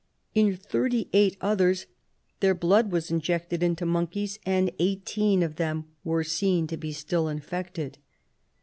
In thirty eight others their blood was injected into monkeys, and eighteen of them were seen to be still infected.